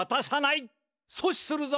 そ止するぞ！